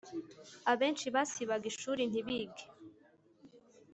Abenshi basibaga ishuri ntibige